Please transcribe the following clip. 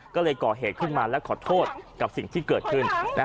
ก็เลยก่อเหตุขึ้นมาและขอโทษกับสิ่งที่เกิดขึ้น